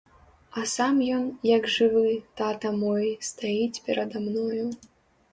А сам ён, як жывы, тата мой, стаіць перада мною.